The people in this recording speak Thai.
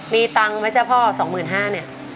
มีตังค์ไหมเจ้าพ่อ๒๕๐๐๐นี่